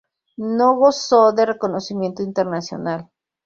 No gozó de reconocimiento internacional.